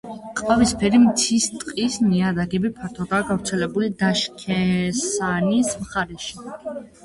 ყავისფერი მთის ტყის ნიადაგები ფართოდაა გავრცელებული დაშქესანის მხარეში.